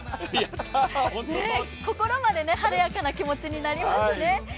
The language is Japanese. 心まで晴れやかな気持ちになりますね。